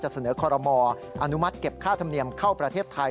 เสนอคอรมออนุมัติเก็บค่าธรรมเนียมเข้าประเทศไทย